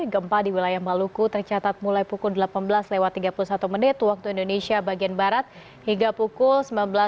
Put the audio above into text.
gempa di wilayah maluku tercatat mulai pukul delapan belas tiga puluh satu waktu indonesia bagian barat hingga pukul sembilan belas